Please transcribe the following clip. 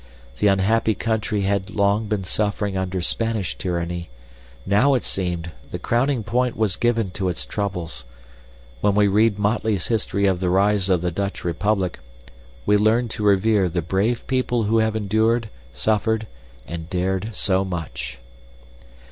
The unhappy country had long been suffering under Spanish tyranny; now, it seemed, the crowning point was given to its troubles. When we read Motley's history of the rise of the Dutch republic, we learn to revere the brave people who have endured, suffered, and dared so much.